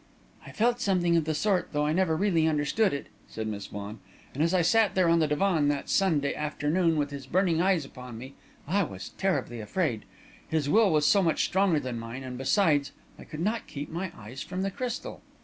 "I felt something of the sort, though I never really understood it," said Miss Vaughan; "and as I sat there on the divan that Sunday afternoon, with his burning eyes upon me, I was terribly afraid. His will was so much stronger than mine, and besides, I could not keep my eyes from the crystal.